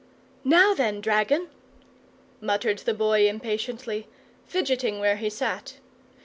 "Now then, dragon!" muttered the Boy impatiently, fidgeting where he sat.